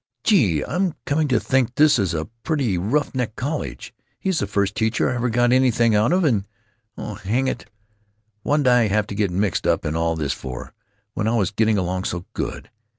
Gee! I'm coming to think this is a pretty rough neck college. He's the first teacher I ever got anything out of—and——Oh, hang it! what 'd I have to get mixed up in all this for, when I was getting along so good?